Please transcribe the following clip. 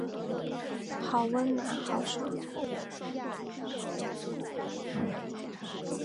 好温暖好爽